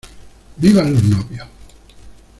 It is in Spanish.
¡Vivan los novios!